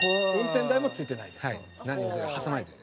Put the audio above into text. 運転台も付いてないです。